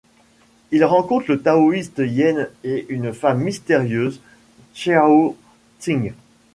Il rencontre le taoiste Yen et une femme mystérieuse Hsiao-tsing.